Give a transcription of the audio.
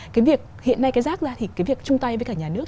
cái việc hiện nay cái rác ra thì cái việc chung tay với cả nhà nước